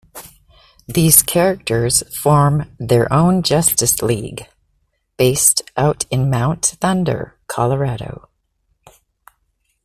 These characters form their own Justice League, based out in Mount Thunder, Colorado.